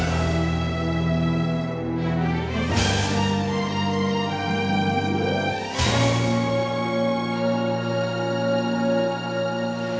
dan agar dia bisa kembali